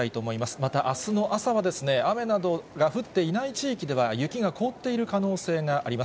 また、あすの朝は雨などが降っていない地域では、雪が凍っている可能性があります。